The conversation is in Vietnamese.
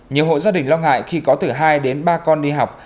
nhiều hộ gia đình lo ngại khi có từ hai đến ba con đi học